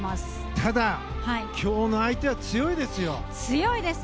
ただ今日の相手は強いですよ。